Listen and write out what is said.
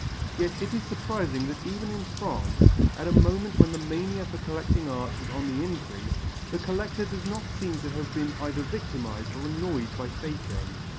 Yet it is surprising that even in France, at a moment when the mania for collecting art was on the increase, the collector does not seem to have been either victimized or annoyed by faking.